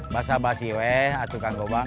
basah basih weh atuh kang gobang